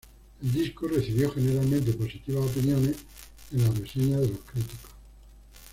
El disco recibió generalmente positivas opiniones en las reseñas de los críticos.